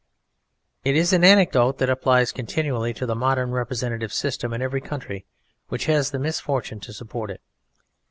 It is an anecdote that applies continually to the modern representative system in every country which has the misfortune to support it.